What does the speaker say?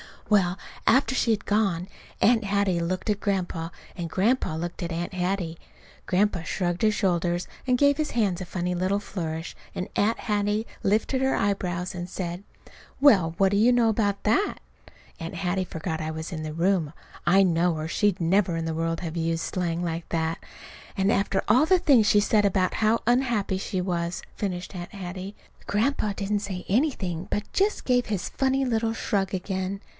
Well, after she had gone Aunt Hattie looked at Grandpa and Grandpa looked at Aunt Hattie. Grandpa shrugged his shoulders, and gave his hands a funny little flourish; and Aunt Hattie lifted her eyebrows and said: "Well, what do you know about that?" (Aunt Hattie forgot I was in the room, I know, or she'd never in the world have used slang like that!) "And after all the things she's said about how unhappy she was!" finished Aunt Hattie. Grandpa didn't say anything, but just gave his funny little shrug again.